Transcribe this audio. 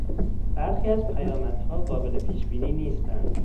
برخی از پیامدها قابل پیش بینی نیستند.